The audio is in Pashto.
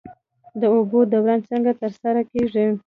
د اوبو دوران څنګه ترسره کیږي؟